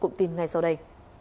thông tin ngày sau đây